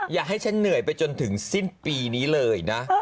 อย่าให้ฉันเหนื่อยไปจนถึงสิ้นปีนี้เลยนะ